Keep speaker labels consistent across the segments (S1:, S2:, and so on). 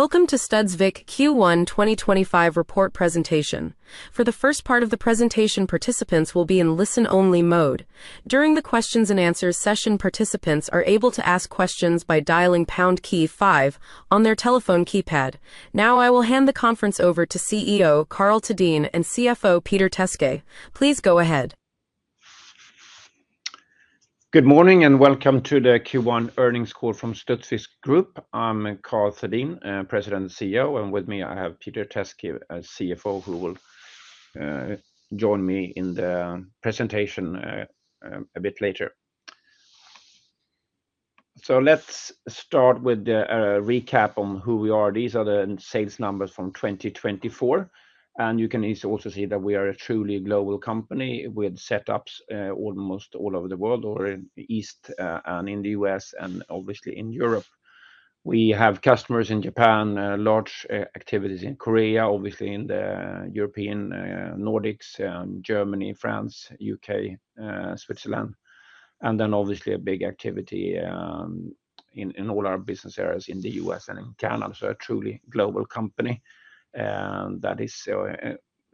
S1: Welcome to Studsvik Q1 2025 report presentation. For the first part of the presentation, participants will be in listen-only mode. During the Q&A session, participants are able to ask questions by dialing pound key 5 on their telephone keypad. Now, I will hand the conference over to CEO Karl Thedéen and CFO Peter Teske. Please go ahead.
S2: Good morning and welcome to the Q1 Earnings Call from Studsvik Group. I'm Karl Thedéen, President and CEO, and with me I have Peter Teske, CFO, who will join me in the presentation a bit later. Let's start with a recap on who we are. These are the sales numbers from 2024, and you can also see that we are a truly global company with setups almost all over the world, or in the East and in the U.S., and obviously in Europe. We have customers in Japan, large activities in Korea, obviously in the European Nordics, Germany, France, U.K., Switzerland, and obviously a big activity in all our business areas in the US and in Canada. A truly global company that is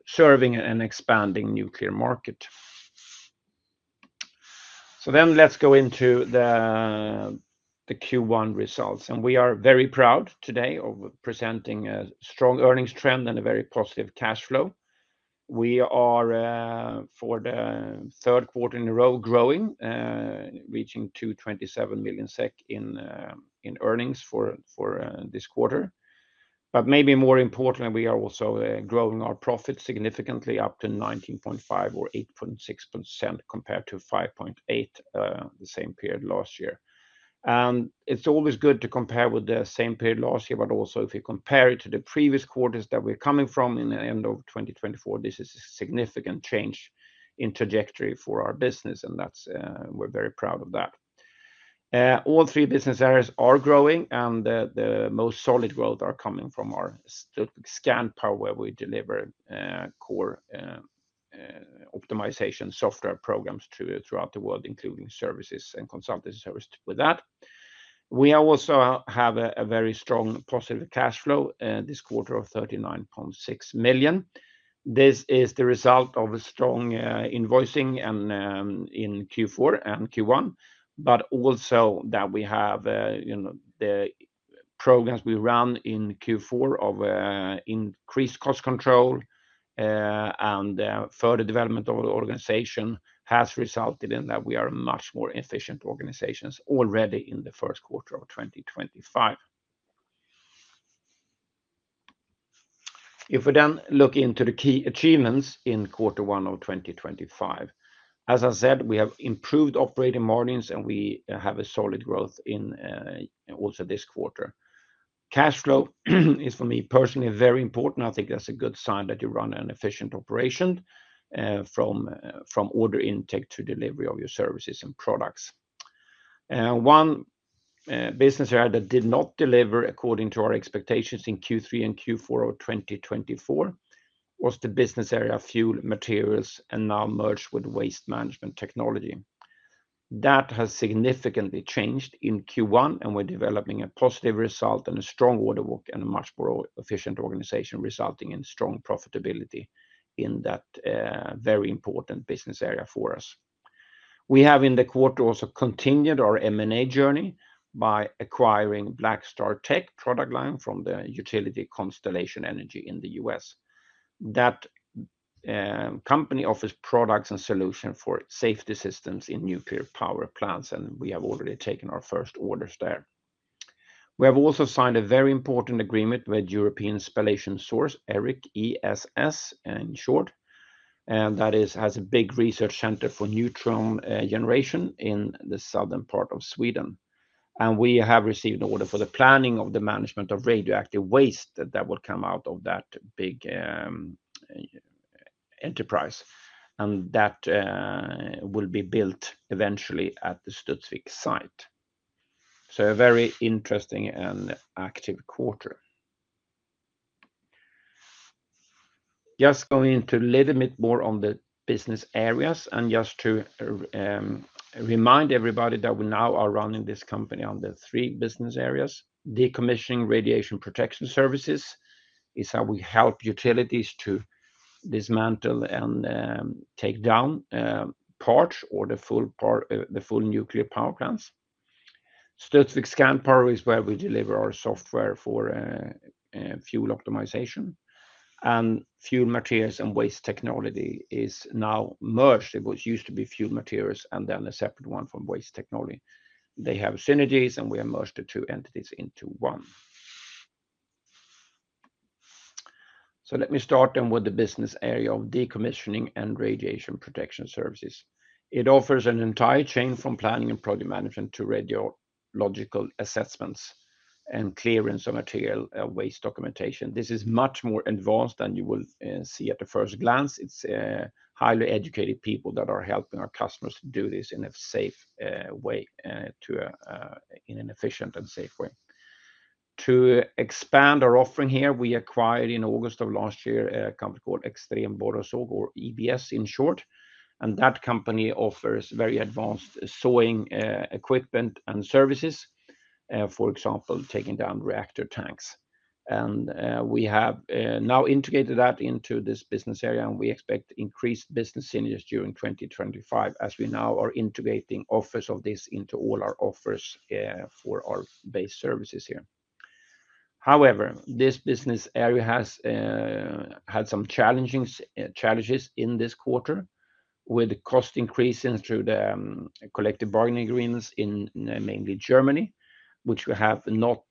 S2: serving and expanding the nuclear market. Let's go into the Q1 results, and we are very proud today of presenting a strong earnings trend and a very positive cash flow. We are, for the third quarter in a row, growing, reaching 227 million SEK in earnings for this quarter. Maybe more importantly, we are also growing our profits significantly, up to 19.5% or 8.6% compared to 5.8% the same period last year. It's always good to compare with the same period last year, but also if you compare it to the previous quarters that we're coming from in the end of 2024, this is a significant change in trajectory for our business, and we're very proud of that. All three business areas are growing, and the most solid growth is coming from our Scan Power, where we deliver core optimization software programs throughout the world, including services and consultancy services. With that, we also have a very strong positive cash flow this quarter of 39.6 million. This is the result of strong invoicing in Q4 and Q1, but also that we have the programs we run in Q4 of increased cost control and further development of the organization has resulted in that we are much more efficient organizations already in the first quarter of 2025. If we then look into the key achievements in Q1 of 2025, as I said, we have improved operating margins, and we have a solid growth also this quarter. Cash flow is, for me personally, very important. I think that's a good sign that you run an efficient operation from order intake to delivery of your services and products. One business area that did not deliver according to our expectations in Q3 and Q4 of 2024 was the business area of fuel materials and now merged with waste management technology. That has significantly changed in Q1, and we're developing a positive result and a strong order book and a much more efficient organization, resulting in strong profitability in that very important business area for us. We have in the quarter also continued our M&A journey by acquiring Blackstar Tech product line from the utility Constellation Energy in the U.S. That company offers products and solutions for safety systems in nuclear power plants, and we have already taken our first orders there. We have also signed a very important agreement with European Spallation Source ERIC ESS in short, and that has a big research center for neutron generation in the southern part of Sweden. We have received an order for the planning of the management of radioactive waste that will come out of that big enterprise, and that will be built eventually at the Studsvik site. A very interesting and active quarter. Just going into a little bit more on the business areas, and just to remind everybody that we now are running this company under three business areas. Decommissioning radiation protection services is how we help utilities to dismantle and take down parts or the full nuclear power plants. Studsvik Scan Power is where we deliver our software for fuel optimization, and fuel materials and waste technology is now merged. It used to be fuel materials and then a separate one from waste technology. They have synergies, and we have merged the two entities into one. Let me start then with the business area of decommissioning and radiation protection services. It offers an entire chain from planning and project management to radiological assessments and clearance of material and waste documentation. This is much more advanced than you will see at the first glance. It's highly educated people that are helping our customers do this in a safe way, in an efficient and safe way. To expand our offering here, we acquired in August of last year a company called EBS, and that company offers very advanced sawing equipment and services, for example, taking down reactor tanks. We have now integrated that into this business area, and we expect increased business synergies during 2025, as we now are integrating offers of this into all our offers for our base services here. However, this business area has had some challenges in this quarter with cost increases through the collective bargaining agreements in mainly Germany, which we have not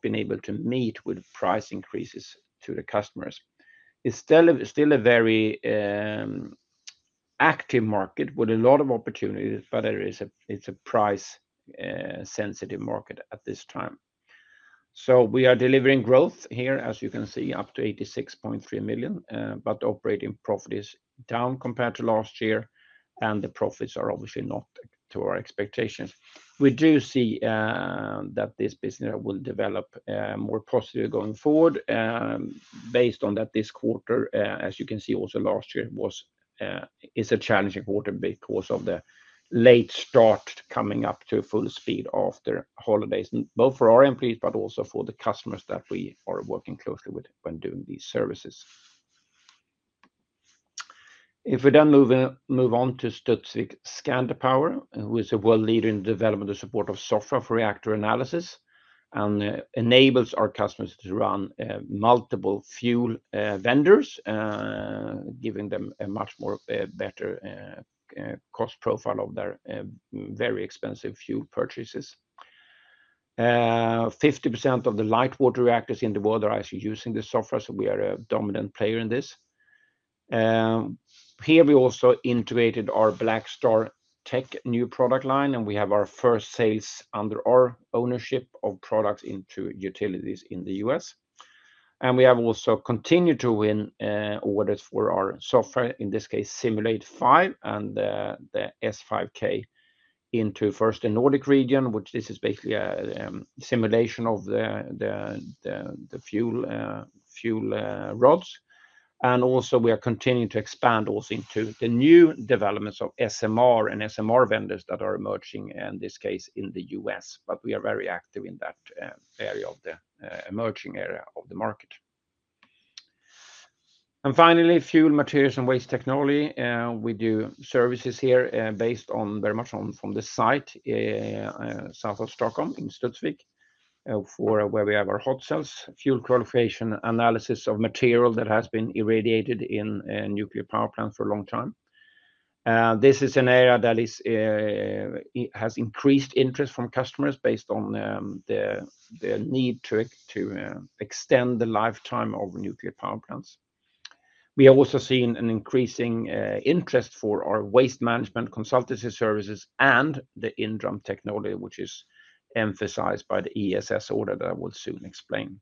S2: been able to meet with price increases to the customers. It is still a very active market with a lot of opportunities, but it is a price-sensitive market at this time. We are delivering growth here, as you can see, up to 86.3 million, but operating profit is down compared to last year, and the profits are obviously not to our expectations. We do see that this business will develop more positively going forward based on that this quarter, as you can see also last year, is a challenging quarter because of the late start coming up to full speed after holidays, both for our employees, but also for the customers that we are working closely with when doing these services. If we then move on to Studsvik Scan Power, who is a world leader in the development and support of software for reactor analysis, and enables our customers to run multiple fuel vendors, giving them a much better cost profile of their very expensive fuel purchases. 50% of the light water reactors in the world are using this software, so we are a dominant player in this. Here we also integrated our Blackstar Tech new product line, and we have our first sales under our ownership of products into utilities in the U.S. We have also continued to win orders for our software, in this case Simulate 5 and the S5K into first the Nordic region, which this is basically a simulation of the fuel rods. We are continuing to expand also into the new developments of SMR and SMR vendors that are emerging, in this case in the U.S., but we are very active in that area of the emerging area of the market. Finally, fuel materials and waste technology, we do services here based very much on from the site south of Stockholm in Studsvik, where we have our hot cells, fuel qualification analysis of material that has been irradiated in nuclear power plants for a long time. This is an area that has increased interest from customers based on the need to extend the lifetime of nuclear power plants. We have also seen an increasing interest for our waste management consultancy services and the in-drum technology, which is emphasized by the ESS order that I will soon explain.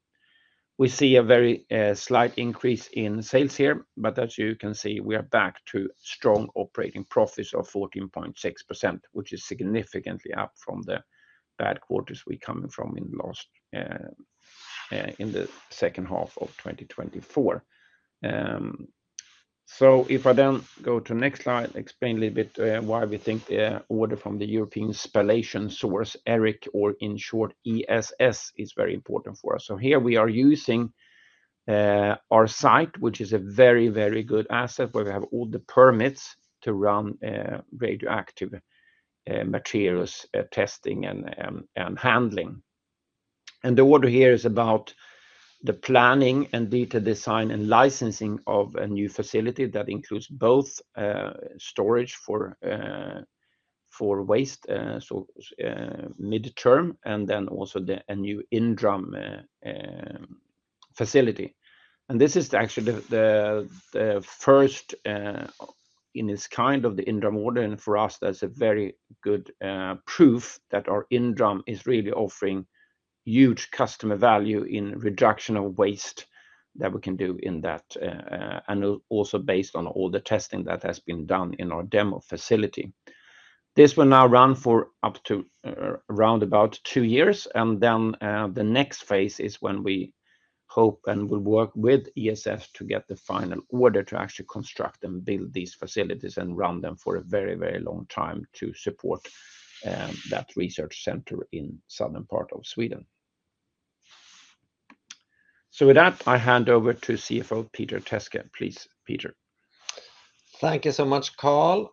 S2: We see a very slight increase in sales here, but as you can see, we are back to strong operating profits of 14.6%, which is significantly up from the bad quarters we are coming from in the second half of 2024. If I then go to the next slide, explain a little bit why we think the order from the European Spallation Source, ERIC, or in short ESS, is very important for us. Here we are using our site, which is a very, very good asset where we have all the permits to run radioactive materials testing and handling. The order here is about the planning and data design and licensing of a new facility that includes both storage for waste midterm and then also a new in-drum facility. This is actually the first in its kind of the in-drum order, and for us, that's a very good proof that our in-drum is really offering huge customer value in reduction of waste that we can do in that, and also based on all the testing that has been done in our demo facility. This will now run for up to around about two years, and the next phase is when we hope and will work with ESS to get the final order to actually construct and build these facilities and run them for a very, very long time to support that research center in the southern part of Sweden. With that, I hand over to CFO Peter Teske. Please, Peter.
S3: Thank you so much, Karl.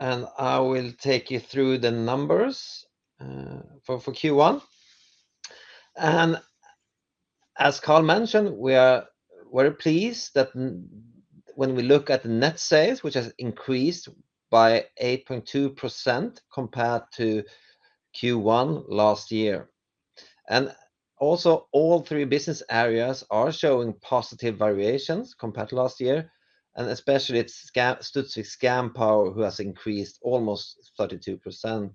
S3: I will take you through the numbers for Q1. As Karl mentioned, we are very pleased that when we look at the net sales, which has increased by 8.2% compared to Q1 last year. Also, all three business areas are showing positive variations compared to last year, and especially Studsvik Scan Power who has increased almost 32%.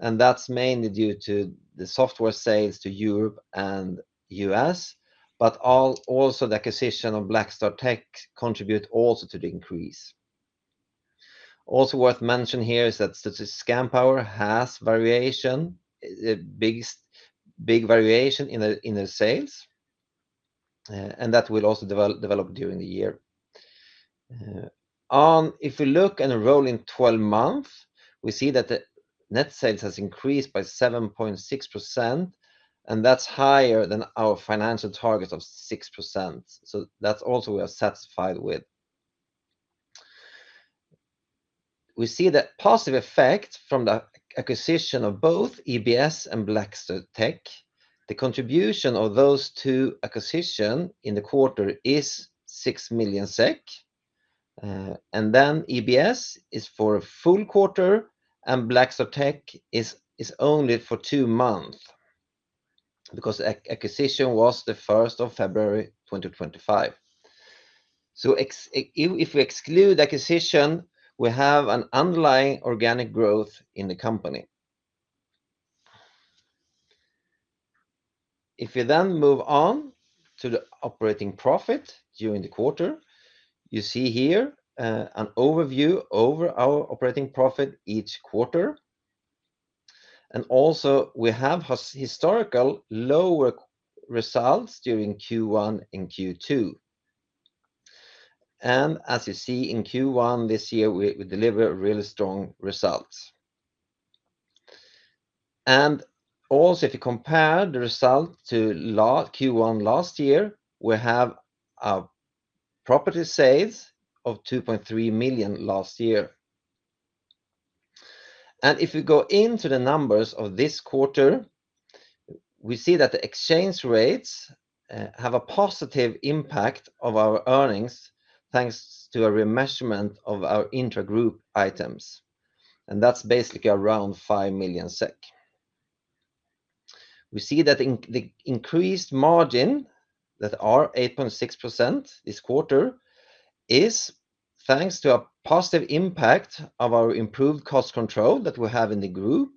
S3: That is mainly due to the software sales to Europe and U.S., but also the acquisition of Blackstar Tech contributes also to the increase. Also worth mentioning here is that Studsvik Scan Power has variation, big variation in the sales, and that will also develop during the year. If we look at the rolling 12 months, we see that the net sales has increased by 7.6%, and that is higher than our financial target of 6%. That is also we are satisfied with. We see the positive effect from the acquisition of both EBS and Blackstar Tech. The contribution of those two acquisitions in the quarter is 6 million SEK. EBS is for a full quarter, and Blackstar Tech is only for two months because acquisition was the 1st of February 2025. If we exclude acquisition, we have an underlying organic growth in the company. If we then move on to the operating profit during the quarter, you see here an overview over our operating profit each quarter. We have historically lower results during Q1 and Q2. As you see in Q1 this year, we deliver really strong results. If you compare the result to Q1 last year, we have a property sales of 2.3 million last year. If we go into the numbers of this quarter, we see that the exchange rates have a positive impact on our earnings thanks to a remeasurement of our intra-group items. That is basically around 5 million SEK. We see that the increased margin that is 8.6% this quarter is thanks to a positive impact of our improved cost control that we have in the group,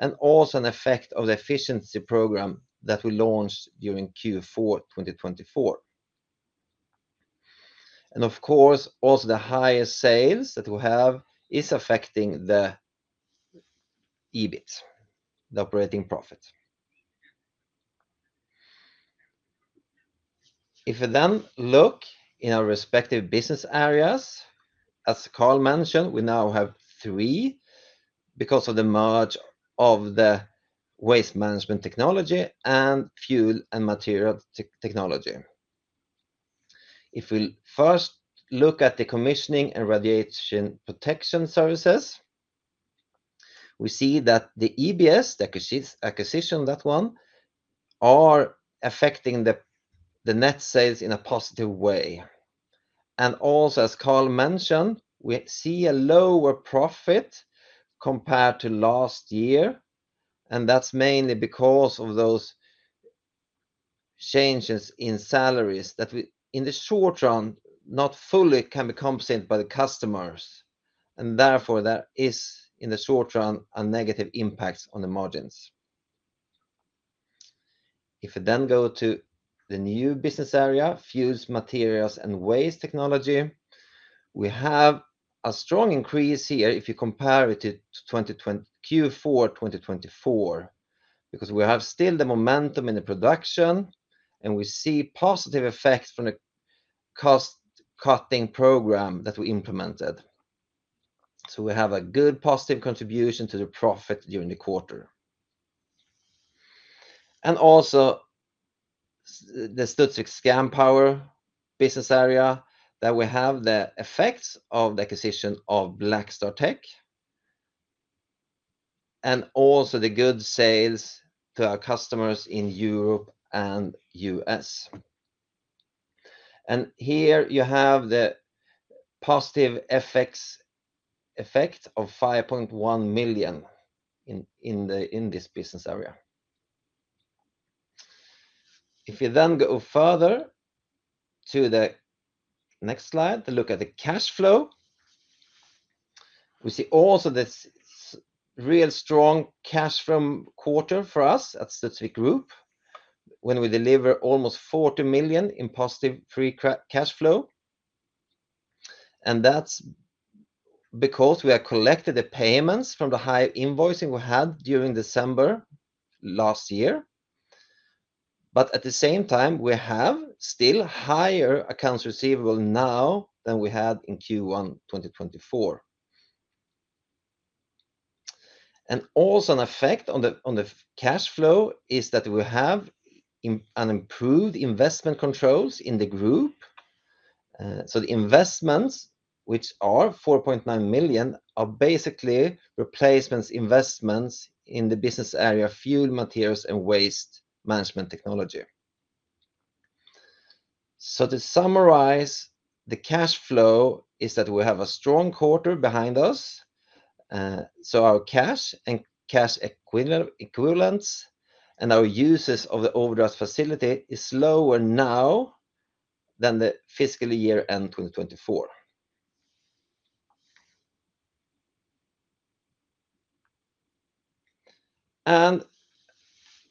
S3: and also an effect of the efficiency program that we launched during Q4 2024. Of course, also the highest sales that we have is affecting the EBIT, the operating profit. If we then look in our respective business areas, as Karl mentioned, we now have three because of the merge of the waste management technology and fuel and material technology. If we first look at the commissioning and radiation protection services, we see that the EBS acquisition, that one, are affecting the net sales in a positive way. Also, as Karl mentioned, we see a lower profit compared to last year, and that's mainly because of those changes in salaries that in the short run not fully can be compensated by the customers. Therefore, there is in the short run a negative impact on the margins. If we then go to the new business area, fuels, materials, and waste technology, we have a strong increase here if you compare it to Q4 2024, because we have still the momentum in the production, and we see positive effects from the cost-cutting program that we implemented. We have a good positive contribution to the profit during the quarter. Also, the Studsvik Scan Power business area, we have the effects of the acquisition of Blackstar Tech, and also the good sales to our customers in Europe and the U.S. Here you have the positive effects of 5.1 million in this business area. If we then go further to the next slide to look at the cash flow, we see also this real strong cash flow quarter for us at Studsvik Group when we deliver almost 40 million in positive free cash flow. That is because we have collected the payments from the high invoicing we had during December last year. At the same time, we have still higher accounts receivable now than we had in Q1 2024. Also, an effect on the cash flow is that we have improved investment controls in the group. The investments, which are 4.9 million, are basically replacement investments in the business area fuel materials and waste management technology. To summarize, the cash flow is that we have a strong quarter behind us. Our cash and cash equivalents and our uses of the overdraft facility is lower now than the fiscal year end 2024.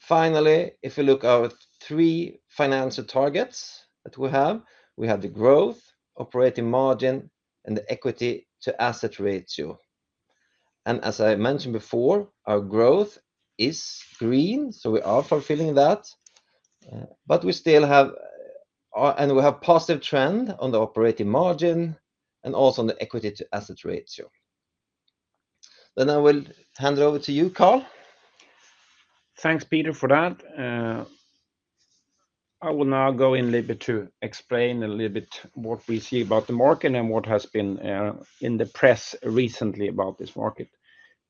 S3: Finally, if we look at three financial targets that we have, we have the growth, operating margin, and the equity to asset ratio. As I mentioned before, our growth is green, so we are fulfilling that. We still have, and we have a positive trend on the operating margin and also on the equity to asset ratio. I will hand it over to you, Karl.
S2: Thanks, Peter, for that. I will now go in a little bit to explain a little bit what we see about the market and what has been in the press recently about this market.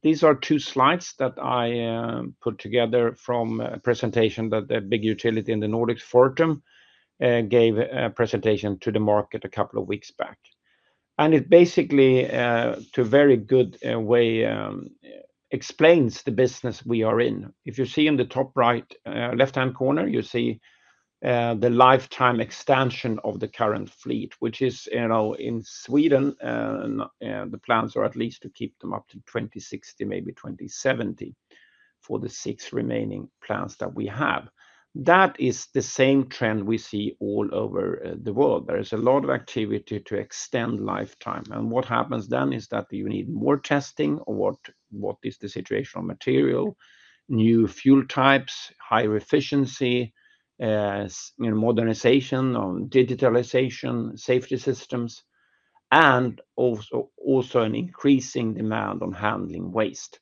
S2: These are two slides that I put together from a presentation that the big utility in the Nordic forum gave a presentation to the market a couple of weeks back. It basically, to a very good way, explains the business we are in. If you see in the top right left-hand corner, you see the lifetime extension of the current fleet, which is in Sweden, the plans are at least to keep them up to 2060, maybe 2070 for the six remaining plants that we have. That is the same trend we see all over the world. There is a lot of activity to extend lifetime. What happens then is that you need more testing or what is the situation on material, new fuel types, higher efficiency, modernization on digitalization, safety systems, and also an increasing demand on handling waste.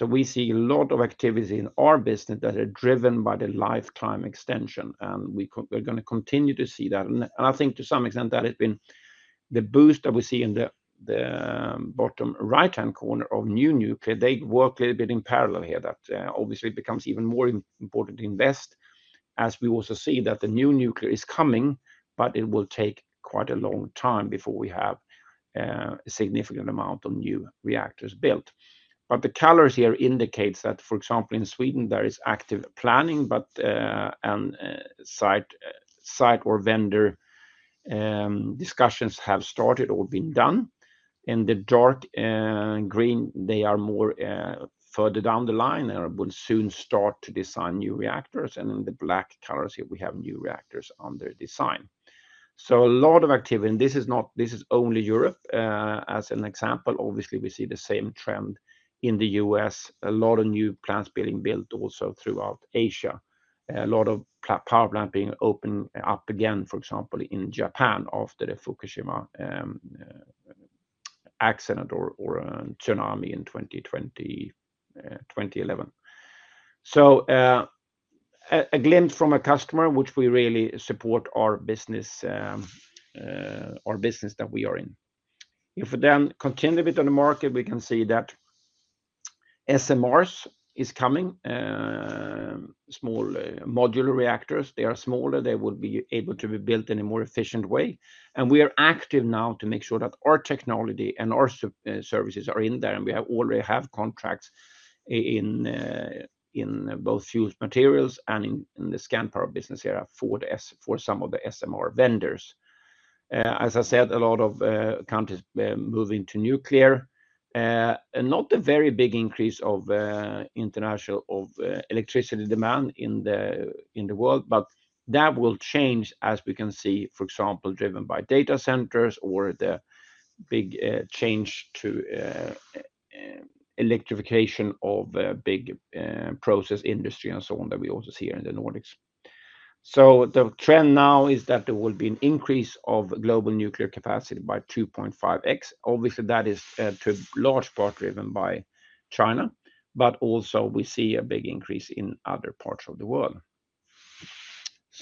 S2: We see a lot of activity in our business that are driven by the lifetime extension, and we're going to continue to see that. I think to some extent that has been the boost that we see in the bottom right-hand corner of new nuclear. They work a little bit in parallel here. That obviously becomes even more important to invest as we also see that the new nuclear is coming, but it will take quite a long time before we have a significant amount of new reactors built. The colors here indicate that, for example, in Sweden, there is active planning, but site or vendor discussions have started or been done. In the dark green, they are more further down the line and will soon start to design new reactors. In the black colors here, we have new reactors under design. A lot of activity. This is only Europe as an example. Obviously, we see the same trend in the U.S. A lot of new plants being built also throughout Asia. A lot of power plants being opened up again, for example, in Japan after the Fukushima accident or tsunami in 2011. A glimpse from a customer, which we really support our business that we are in. If we then continue a bit on the market, we can see that SMRs is coming, small modular reactors. They are smaller. They will be able to be built in a more efficient way. We are active now to make sure that our technology and our services are in there. We already have contracts in both fuel materials and in the Scan Power business area for some of the SMR vendors. As I said, a lot of countries moving to nuclear. Not a very big increase of international electricity demand in the world, but that will change as we can see, for example, driven by data centers or the big change to electrification of big process industry and so on that we also see here in the Nordics. The trend now is that there will be an increase of global nuclear capacity by 2.5x. Obviously, that is to a large part driven by China, but also we see a big increase in other parts of the world.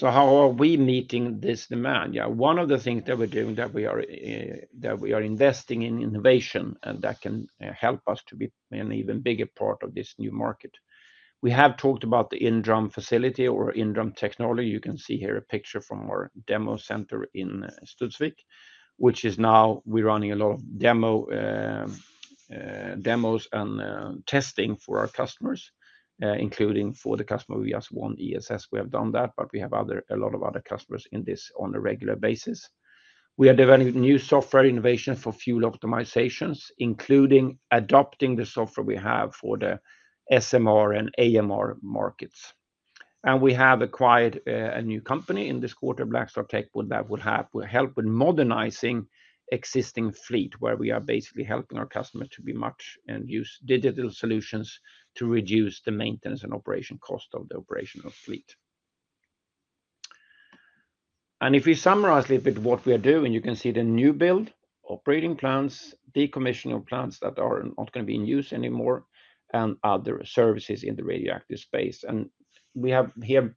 S2: How are we meeting this demand? Yeah, one of the things that we're doing is that we are investing in innovation and that can help us to be an even bigger part of this new market. We have talked about the INRAM facility or INRAM technology. You can see here a picture from our demo center in Studsvik, which is now where we're running a lot of demos and testing for our customers, including for the customer we just won, ESS. We have done that, but we have a lot of other customers in this on a regular basis. We are developing new software innovations for fuel optimizations, including adopting the software we have for the SMR and AMR markets. We have acquired a new company in this quarter, Blackstar Tech, that will help with modernizing existing fleet, where we are basically helping our customers to be much and use digital solutions to reduce the maintenance and operation cost of the operational fleet. If we summarize a little bit what we are doing, you can see the new build, operating plants, decommissioning of plants that are not going to be in use anymore, and other services in the radioactive space. We have here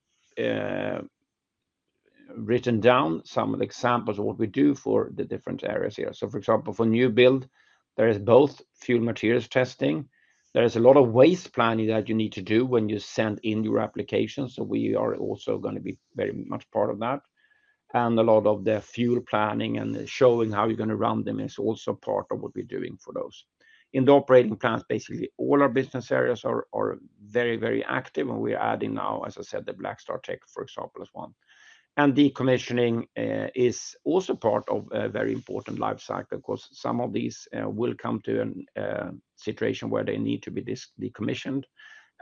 S2: written down some of the examples of what we do for the different areas here. For example, for new build, there is both fuel materials testing. There is a lot of waste planning that you need to do when you send in your applications. We are also going to be very much part of that. A lot of the fuel planning and showing how you're going to run them is also part of what we're doing for those. In the operating plants, basically all our business areas are very, very active. We're adding now, as I said, the Blackstar Tech, for example, as one. Decommissioning is also part of a very important life cycle because some of these will come to a situation where they need to be decommissioned.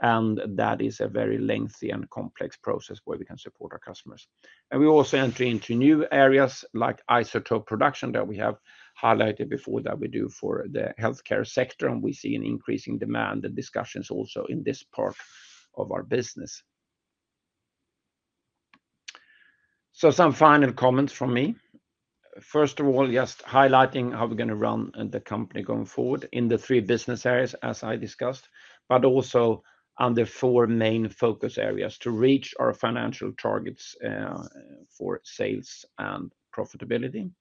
S2: That is a very lengthy and complex process where we can support our customers. We also enter into new areas like isotope production that we have highlighted before that we do for the healthcare sector. We see an increasing demand and discussions also in this part of our business. Some final comments from me. First of all, just highlighting how we're going to run the company going forward in the three business areas, as I discussed, but also under four main focus areas to reach our financial targets for sales and profitability.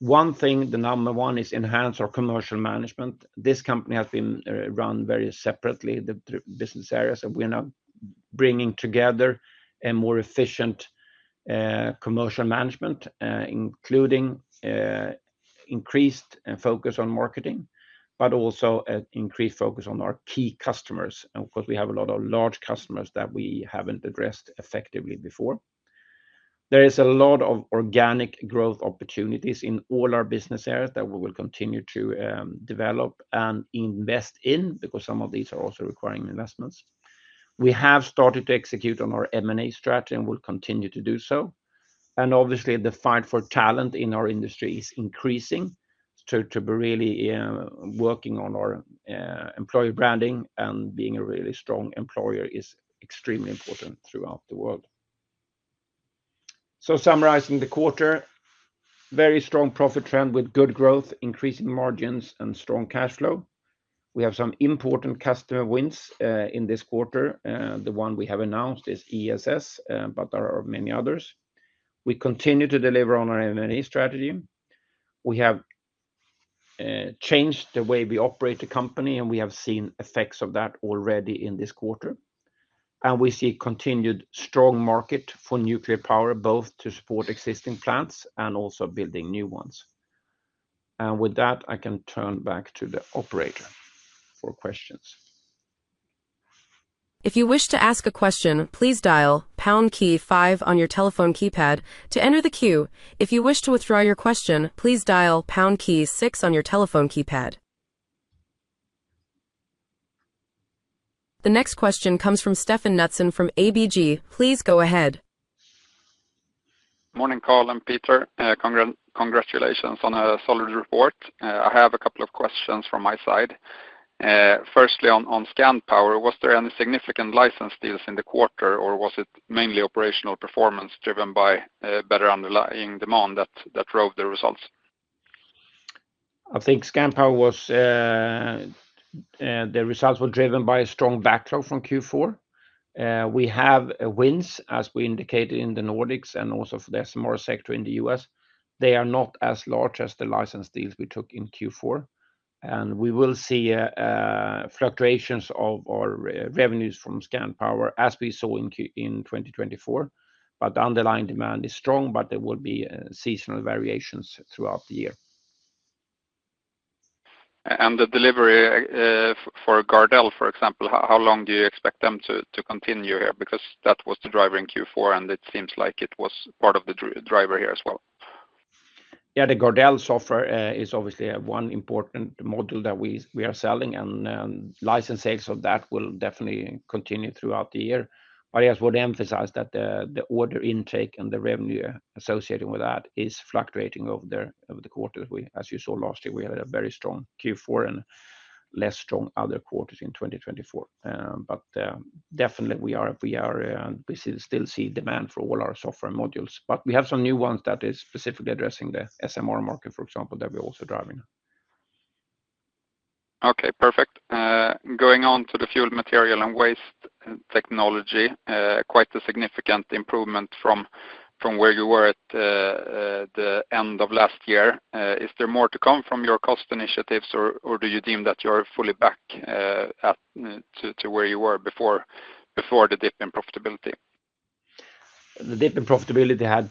S2: One thing, the number one is enhance our commercial management. This company has been run very separately, the business areas. We're now bringing together a more efficient commercial management, including increased focus on marketing, but also an increased focus on our key customers. Of course, we have a lot of large customers that we haven't addressed effectively before. There is a lot of organic growth opportunities in all our business areas that we will continue to develop and invest in because some of these are also requiring investments. We have started to execute on our M&A strategy and will continue to do so. Obviously, the fight for talent in our industry is increasing. To be really working on our employee branding and being a really strong employer is extremely important throughout the world. Summarizing the quarter, very strong profit trend with good growth, increasing margins, and strong cash flow. We have some important customer wins in this quarter. The one we have announced is ESS, but there are many others. We continue to deliver on our M&A strategy. We have changed the way we operate the company, and we have seen effects of that already in this quarter. We see continued strong market for nuclear power, both to support existing plants and also building new ones. With that, I can turn back to the operator for questions.
S1: If you wish to ask a question, please dial pound key five on your telephone keypad to enter the queue. If you wish to withdraw your question, please dial pound key six on your telephone keypad. The next question comes from Stefan Knutsen from ABG. Please go ahead.
S4: Morning, Karl and Peter. Congratulations on a solid report. I have a couple of questions from my side. Firstly, on Scan Power, was there any significant license deals in the quarter, or was it mainly operational performance driven by better underlying demand that drove the results?
S2: I think Scan Power was, the results were driven by a strong backdrop from Q4. We have wins as we indicated in the Nordics and also for the SMR sector in the US. They are not as large as the license deals we took in Q4. We will see fluctuations of our revenues from Scan Power as we saw in 2024. The underlying demand is strong, but there will be seasonal variations throughout the year.
S4: The delivery for Gardell, for example, how long do you expect them to continue here? Because that was the driver in Q4, and it seems like it was part of the driver here as well.
S2: Yeah, the Gardell software is obviously one important module that we are selling, and license sales of that will definitely continue throughout the year. I just want to emphasize that the order intake and the revenue associated with that is fluctuating over the quarter. As you saw last year, we had a very strong Q4 and less strong other quarters in 2024. We are and we still see demand for all our software modules. We have some new ones that are specifically addressing the SMR market, for example, that we're also driving.
S4: Okay, perfect. Going on to the fuel material and waste technology, quite a significant improvement from where you were at the end of last year. Is there more to come from your cost initiatives, or do you deem that you are fully back to where you were before the dip in profitability?
S2: The dip in profitability had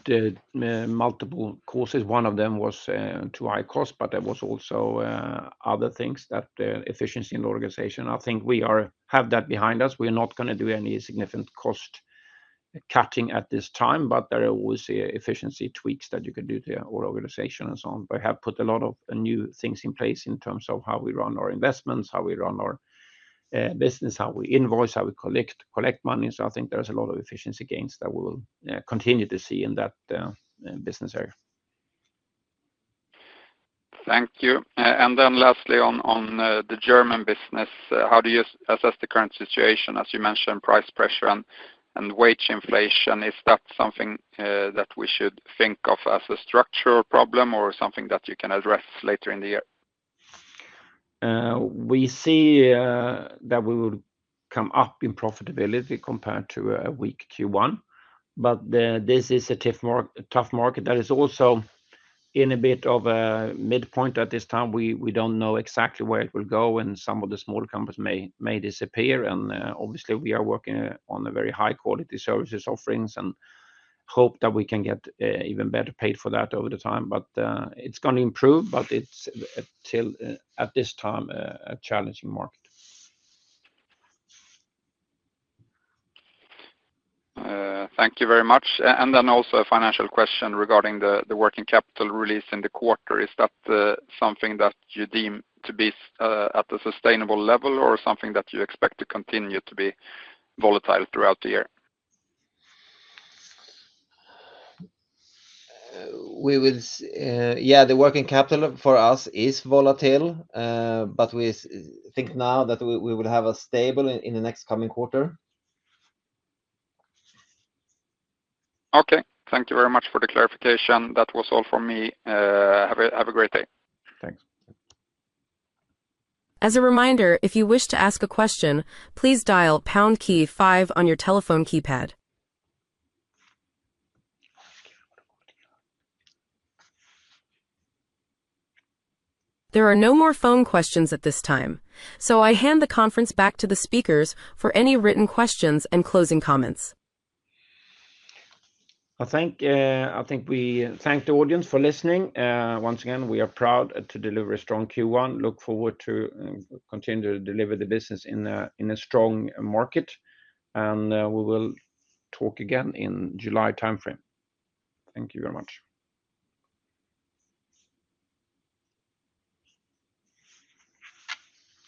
S2: multiple causes. One of them was too high cost, but there were also other things that efficiency in the organization. I think we have that behind us. We're not going to do any significant cost cutting at this time, but there are always efficiency tweaks that you can do to our organization and so on. We have put a lot of new things in place in terms of how we run our investments, how we run our business, how we invoice, how we collect money. I think there's a lot of efficiency gains that we will continue to see in that business area.
S4: Thank you. Lastly, on the German business, how do you assess the current situation? As you mentioned, price pressure and wage inflation. Is that something that we should think of as a structural problem or something that you can address later in the year?
S2: We see that we will come up in profitability compared to a weak Q1. This is a tough market that is also in a bit of a midpoint at this time. We do not know exactly where it will go, and some of the small companies may disappear. Obviously, we are working on very high-quality services offerings and hope that we can get even better paid for that over the time. It is going to improve, but it is still at this time a challenging market.
S4: Thank you very much. Also, a financial question regarding the working capital released in the quarter. Is that something that you deem to be at a sustainable level or something that you expect to continue to be volatile throughout the year?
S2: Yeah, the working capital for us is volatile, but we think now that we will have a stable in the next coming quarter.
S4: Okay. Thank you very much for the clarification. That was all from me. Have a great day.
S2: Thanks.
S1: As a reminder, if you wish to ask a question, please dial pound key five on your telephone keypad. There are no more phone questions at this time. I hand the conference back to the speakers for any written questions and closing comments.
S2: I think we thank the audience for listening. Once again, we are proud to deliver a strong Q1. Look forward to continue to deliver the business in a strong market. We will talk again in July timeframe. Thank you very much.